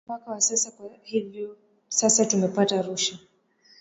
mpaka wa sasa na kwa hivyo sasa tumepata rusha